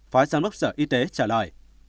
phó giám đốc sở y tế trả lời